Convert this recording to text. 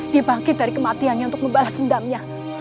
jangan lupa like share dan subscribe ya